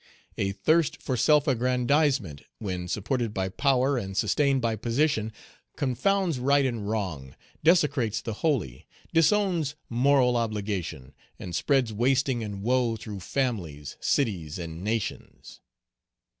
A thirst for self aggrandizement, when supported by power and sustained by position, confounds right and wrong, desecrates the holy, disowns moral obligation, and spreads wasting and woe through families, cities, and nations.